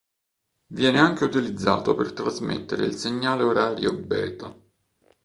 Viene anche utilizzato per trasmettere il segnale orario Beta.